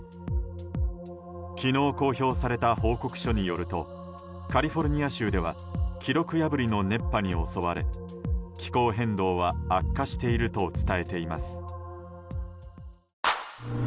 昨日、公表された報告書によるとカリフォルニア州では記録破りの熱波に襲われ気候変動は悪化していると伝えています。